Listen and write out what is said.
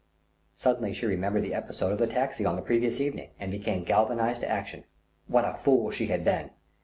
Suddenly she remembered the episode of the taxi on the previous evening and became galvanised to action. What a fool she had been.